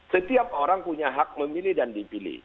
setiap orang punya hak memilih dan dipilih